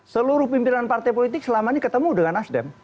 seluruh pimpinan partai politik selama ini ketemu dengan nasdem